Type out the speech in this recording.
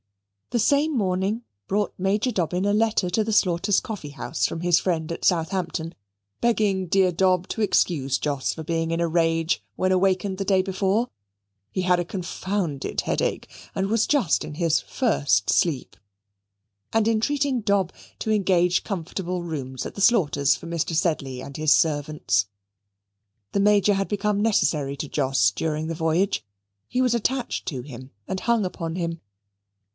The same morning brought Major Dobbin a letter to the Slaughters' Coffee house from his friend at Southampton, begging dear Dob to excuse Jos for being in a rage when awakened the day before (he had a confounded headache, and was just in his first sleep), and entreating Dob to engage comfortable rooms at the Slaughters' for Mr. Sedley and his servants. The Major had become necessary to Jos during the voyage. He was attached to him, and hung upon him.